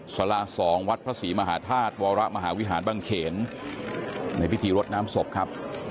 สารา๒วัดพระศรีมหาธาตุวรมหาวิหารบังเขนในพิธีรดน้ำศพครับ